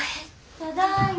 ただいま。